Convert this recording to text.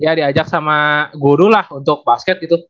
ya diajak sama guru lah untuk basket gitu